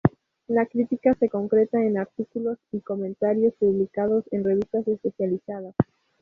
La crítica se concreta en artículos y comentarios publicados en revistas especializadas.